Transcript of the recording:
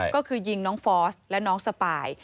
ก็คือยิงน้องฟอสและน้องสปาย